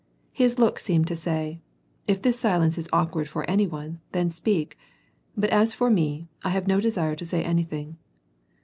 His look seemed to say :If this silence is awkward for any one, then speak ; but as for me, I have no desire to say anything.